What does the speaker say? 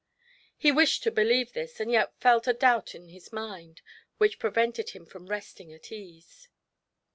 He wished to believe this, and yet felt a doubt on his mind, which prevented him from resting at ease.